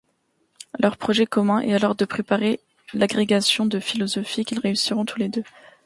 Leur projet commun est alors de préparer l'agrégation de philosophie qu'ils réussiront tous deux.